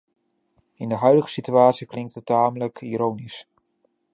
In de huidige situatie klinkt het tamelijk ironisch.